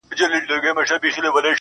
هغه ساعت، هغه غرمه، هغه د سونډو زبېښل_